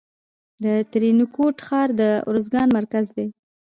د ترینکوټ ښار د ارزګان مرکز دی